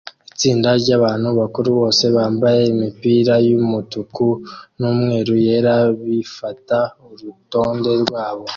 Itsinda ryabantu bakuru bose bambaye imipira yumutuku numweru yera bifata urutonde rwabo